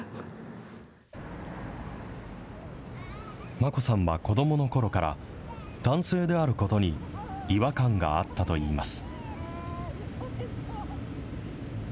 マコさんはこどものころから、男性であることに違和感があったといいます。